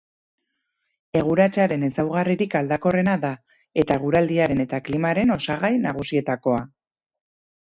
Eguratsaren ezaugarririk aldakorrena da, eta eguraldiaren eta klimaren osagai nagusietakoa.